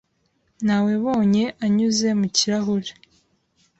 Nawebonye anyuze mu kirahure.